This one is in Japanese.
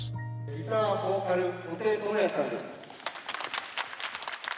ギターボーカル布袋寅泰さんです。